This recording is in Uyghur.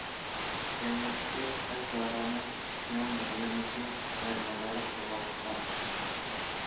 جەمئىيەتتىكى ھەر ساھەنىڭ كۆڭۈل بۆلگەنلىكى ۋە نازارەت قىلغانلىقىغا رەھمەت.